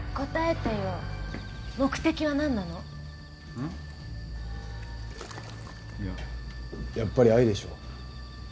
うん？いややっぱり愛でしょ。